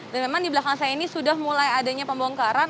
dan memang di belakang saya ini sudah mulai adanya pembongkaran